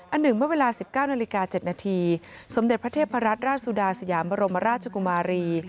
หนึ่งเมื่อเวลา๑๙นาฬิกา๗นาทีสมเด็จพระเทพรัตนราชสุดาสยามบรมราชกุมารี